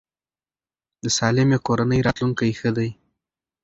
د سالمې کورنۍ راتلونکی ښه دی.